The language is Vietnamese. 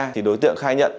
thì đối tượng khai nhận